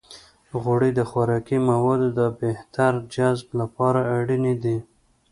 غوړې د خوراکي موادو د بهتر جذب لپاره اړینې دي.